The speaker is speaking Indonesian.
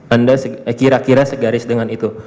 anda kira kira segaris dengan itu